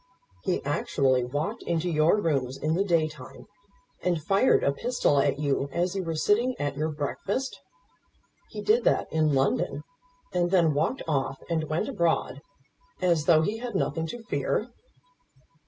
"He actually walked into your rooms in the day time, and fired a pistol at you as you were sitting at your breakfast! He did that in London, and then walked off and went abroad, as though he had nothing to fear!"